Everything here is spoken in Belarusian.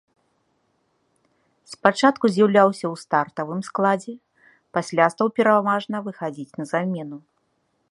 Спачатку з'яўляўся ў стартавым складзе, пасля стаў пераважна выхадзіць на замену.